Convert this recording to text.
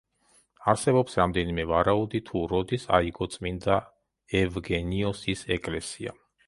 არსებობს რამდენიმე ვარაუდი, თუ როდის აიგო წმინდა ევგენიოსის ეკლესია.